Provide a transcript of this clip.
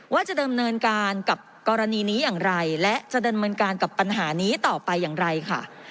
ว่าจะดำเนินการกับกรณีนี้อย่างไรและจะดำเนินการกับปัญหานี้ต่อไปอย่างไรค่ะ